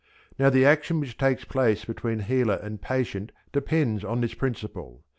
Now the action which takes place between healer and patient depends on this principle.